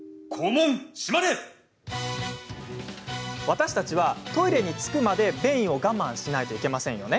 私たちはトイレに着くまで便意を我慢しないといけません。